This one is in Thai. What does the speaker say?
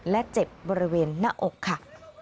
และเจ็บบริเวณหน้าอกค่ะ